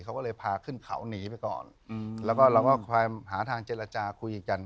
เขาก็เลยพาขึ้นเขาหนีไปก่อนแล้วก็เราก็คอยหาทางเจรจาคุยกัน